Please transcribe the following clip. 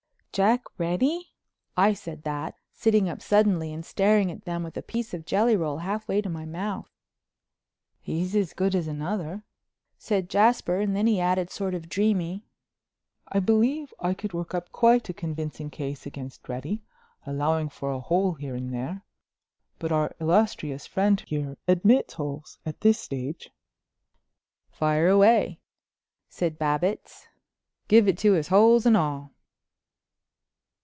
"Jack Reddy?" I said that, sitting up suddenly and staring at them with a piece of jelly roll halfway to my mouth. "He's as good as another," said Jasper, and then he added sort of dreamy: "I believe I could work up quite a convincing case against Reddy, allowing for a hole here and there. But our illustrious friend here admits holes at this stage." "Fire away," said Babbitts. "Give it to us, holes and all."